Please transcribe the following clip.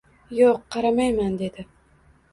— Yo‘q, qaramayman, — dedi.